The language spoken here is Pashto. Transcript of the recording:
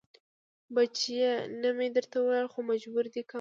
بچيه نه مې درته ويل خو مجبور دې کم.